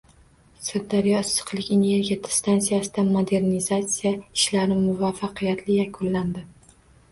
Sirdaryo issiqlik elektr stansiyasida modernizatsiya ishlari muvaffaqiyatli yakunlandi